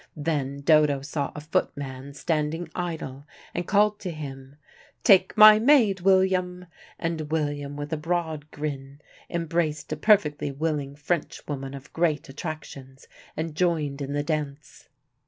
Then Dodo saw a footman standing idle, and called to him, "Take my maid, William," and William with a broad grin embraced a perfectly willing Frenchwoman of great attractions, and joined in the dance.